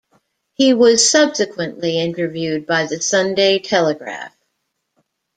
He was subsequently interviewed by the "Sunday Telegraph".